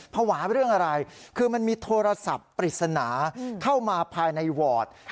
ภาวะเรื่องอะไรคือมันมีโทรศัพท์ปริศนาเข้ามาภายในวอร์ด